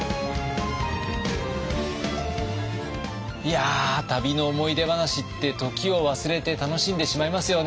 いや旅の思い出話って時を忘れて楽しんでしまいますよね。